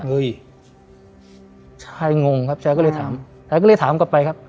เฮ้ยชายงงครับชายก็เลยถามยายก็เลยถามกลับไปครับ